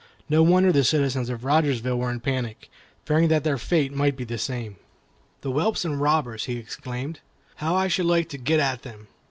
No wonder the citizens of Rogersville were in a panic, fearing that their fate might be the same. "The whelps and robbers!" he exclaimed; "how I should like to get at them!